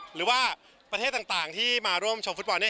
หรือว่าประเทศต่างที่มาร่วมชมฟุตบอล